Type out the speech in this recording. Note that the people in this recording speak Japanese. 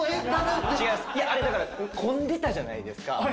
いやあれだから混んでたじゃないですか。